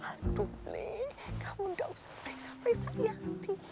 aduh kamu enggak usah beriksa beriksa yanti